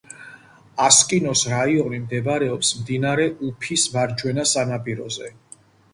ასკინოს რაიონი მდებარეობს მდინარე უფის მარჯვენა სანაპიროზე.